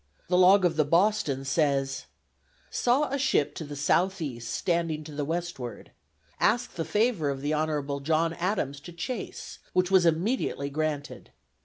The log of the Boston says: "Saw a ship to the south east standing to the westward. Asked the favor of the Hon. John Adams to chase, which was immediately granted.